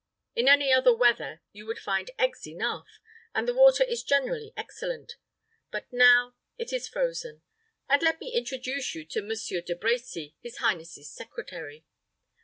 In any other weather you would find eggs enough, and the water is generally excellent, but now it is frozen. But let me introduce you to Monsieur De Brecy, his highness's secretary."